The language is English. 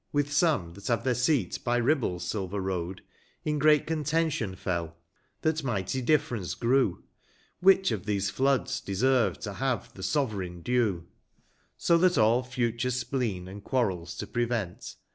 With some that have their seat by nibble's silver road, In great contention fell (that mighty difference grew), 25 AVhich of those Floods deserv'd to have the sovereign due ; So that all future spleen, and quarrels to prevent.